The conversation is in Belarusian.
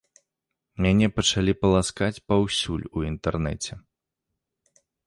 Мяне пачалі паласкаць паўсюль у інтэрнэце.